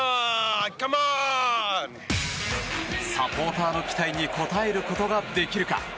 サポーターの期待に応えることができるか。